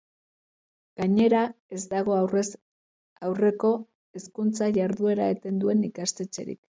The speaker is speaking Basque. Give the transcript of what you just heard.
Gainera, ez dago aurrez aurreko hezkuntza-jarduera eten duen ikastetxerik.